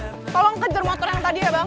tolong kejar motor yang tadi ya bang